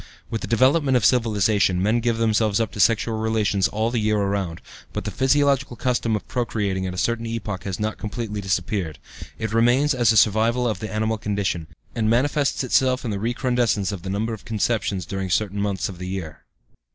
With the development of civilization, men give themselves up to sexual relations all the year around, but the 'physiological custom' of procreating at a certain epoch has not completely disappeared; it remains as a survival of the animal condition, and manifests itself in the recrudescence of the number of conceptions during certain months of the year."